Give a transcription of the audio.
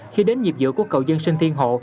khi đến nhịp giữa của cầu dân sinh thiên hồ